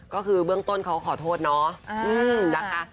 ก็คือเบื้องต้นเขาขอโทษเนาะนะคะ